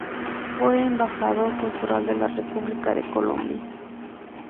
Fue embajador cultural de la República de Colombia.